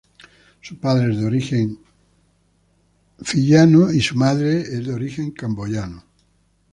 Su padre es de origen fiyiano y su madre es de origen camboyano.